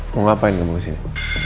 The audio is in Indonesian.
mau ngapain kamu disini